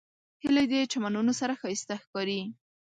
هیلۍ د چمنونو سره ښایسته ښکاري